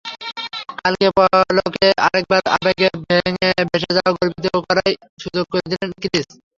কাল পলকে আরেকবার আবেগে ভেসে যাওয়ার, গর্বিত করার সুযোগ করে দিলেন ক্রিস।